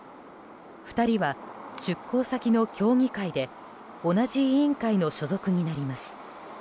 ２人は出向先の協議会で同じ委員会の所属になります。